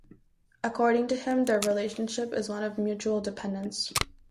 According to him, their relationship is one of mutual dependence.